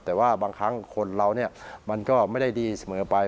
แต่ว่าบางครั้งคนเราเนี่ยมันก็ไม่ได้ดีเสมอไป